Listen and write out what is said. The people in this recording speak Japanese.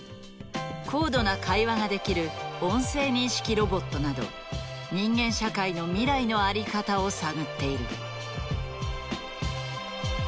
高度な会話ができる音声認識ロボットなど人間社会の未来の在り方を探っている。